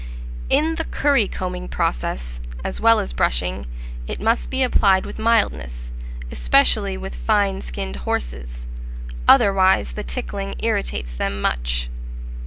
In the curry combing process, as well as brushing, it must be applied with mildness, especially with fine skinned horses; otherwise the tickling irritates them much.